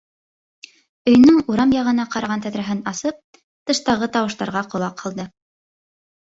Өйөнөң урам яғына ҡараған тәҙрәһен асып, тыштағы тауыштарға ҡолаҡ һалды.